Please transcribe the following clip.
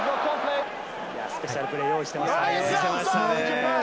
スペシャルプレー用意してましたね。